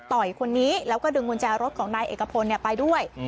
คนนี้แล้วก็ดึงกุญแจรถของนายเอกพลไปด้วย